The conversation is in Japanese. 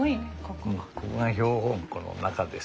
ここが標本庫の中です。